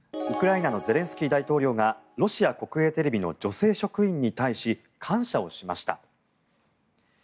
ウクライナのゼレンスキー大統領がロシア国営テレビの女性職員に対し感謝をしました。